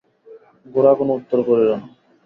গোরা কোনো উত্তর করিল না।